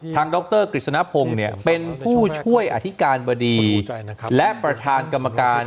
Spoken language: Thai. ดรกฤษณพงศ์เป็นผู้ช่วยอธิการบดีและประธานกรรมการ